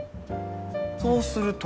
そうすると。